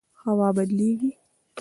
هوا بدلیږي